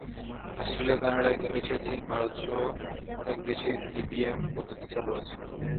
Australia, Canada, Indonesia, চীন, ভারতসহ অনেক দেশেই সিবিএম পদ্ধতি চালু আছে।